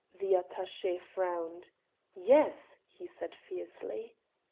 The attaché frowned: "Yes," he said fiercely.